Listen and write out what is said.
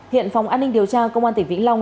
hiện phòng an ninh điều tra công an tỉnh vĩnh long